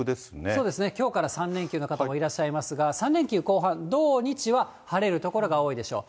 そうですね、きょうから３連休の方もいらっしゃいますが、３連休後半、土日は晴れる所が多いでしょう。